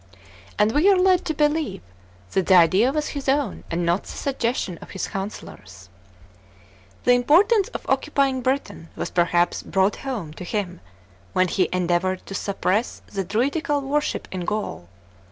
And we are led to believe that the idea was his own, and not the suggestion of his councillors. The importance of occupying Britain was perhaps brought home to him when he endeavoured to suppress the druidical worship in Gaul.